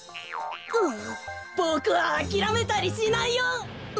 ボクはあきらめたりしないよ！